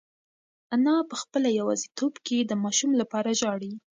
انا په خپله یوازیتوب کې د ماشوم لپاره ژاړي.